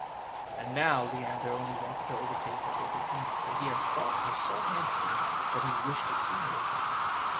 And now Leander only wanted to overtake Abricotina; for he had thought her so handsome that he wished to see her again.